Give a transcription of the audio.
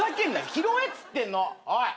拾えっつってんのおい！